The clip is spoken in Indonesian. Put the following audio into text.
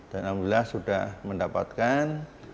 dan alhamdulillah sudah mendapatkan